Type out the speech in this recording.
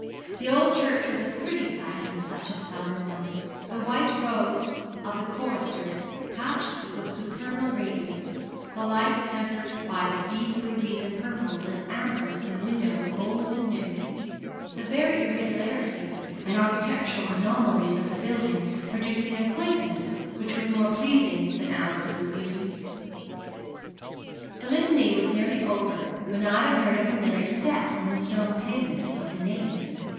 The old church was a pretty sight on such a summer morning the white robes of the choristers touched with supernal radiance, the light tempered by the deep rubies and purples and ambers in windows old and new the very irregularities and architectural anomalies of the building producing a quaintness which was more pleasing than absolute beauty. The litany was nearly over when Ida heard a familiar step on the stone pavement of the nave.